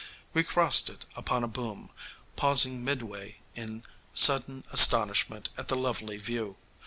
We crossed it upon a boom, pausing midway in sudden astonishment at the lovely view.